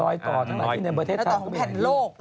รอยต่อของทุวีฟรอยต่อของแผ่นโลก